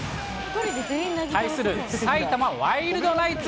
対する埼玉ワイルドナイツ。